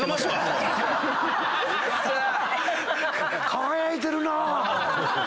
輝いてるなぁ。